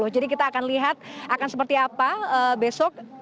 jadi kita akan lihat akan seperti apa besok